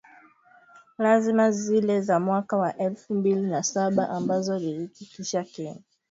kama zile za mwaka wa elfu mbili na saba ambazo ziliitikisa Kenya.